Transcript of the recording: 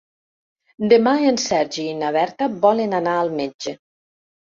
Demà en Sergi i na Berta volen anar al metge.